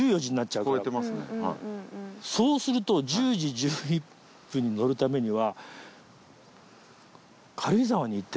そうすると１０時１１分に乗るためには。